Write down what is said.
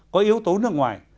có yếu tố nước ngoài